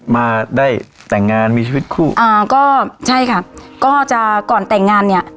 มาได้แต่งงานมีชีวิตคู่อ่าก็ใช่ค่ะก็จะก่อนแต่งงานเนี้ย